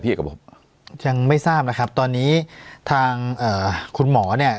กับผมยังไม่ทราบนะครับตอนนี้ทางเอ่อคุณหมอเนี่ย